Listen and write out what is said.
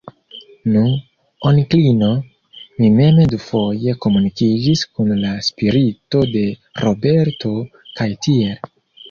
Nu, onklino, mi mem dufoje komunikiĝis kun la spirito de Roberto, kaj tiel.